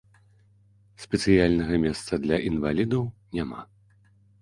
Спецыяльнага месца для інвалідаў няма.